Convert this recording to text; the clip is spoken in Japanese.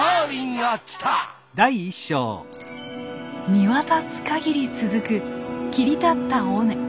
見渡す限り続く切り立った尾根。